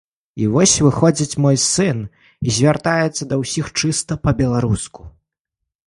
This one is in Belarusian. І вось выходзіць мой сын і звяртаецца да ўсіх чыста па-беларуску.